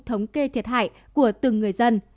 thống kê thiệt hại của từng người dân